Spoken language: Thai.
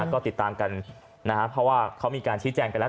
ก็ติดตามกันนะครับเพราะว่าเขามีการชี้แจงไปแล้ว